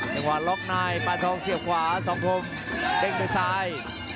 จังหวะล็อกนายปานทองเสียบขวาสองคมเด้งด้วยซ้าย